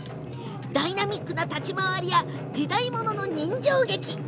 ダイナミックな立ち回りや時代物の人情劇。